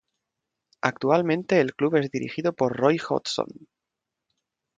Actualmente el club es dirigido por Roy Hodgson.